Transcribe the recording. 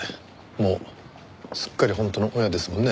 もうすっかり本当の親ですもんね